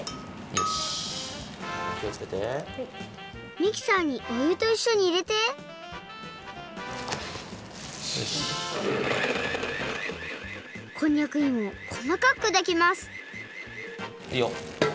ミキサーにおゆといっしょにいれてこんにゃくいもをこまかくくだきますいいよ。